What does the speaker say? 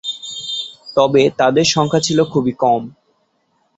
তবে তাদের সংখ্যা ছিল খুবই কম।